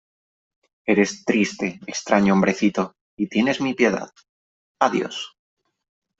Eres triste , extraño hombrecito , y tienes mi piedad . Adiós .